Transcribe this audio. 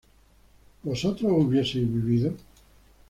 ¿vosotros hubieseis vivido?